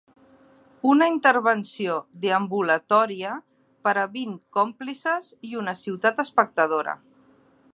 Una intervenció deambulatòria per a vint còmplices i una ciutat espectadora.